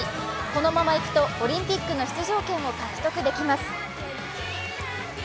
このままいくとオリンピックの出場権を獲得できます。